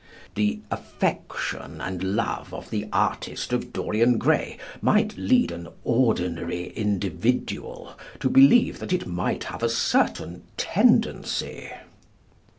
The affection and love of the artist of "Dorian Gray" might lead an ordinary individual to believe that it might have a certain tendency?